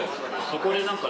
そこで何か。